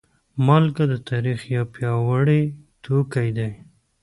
مالګه د تاریخ یو پیاوړی توکی دی.